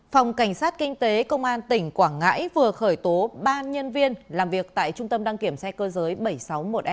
phòng cảnh sát kinh tế công an tỉnh quảng ngãi vừa khởi tố ba nhân viên làm việc tại trung tâm đăng kiểm xe cơ giới bảy trăm sáu mươi một s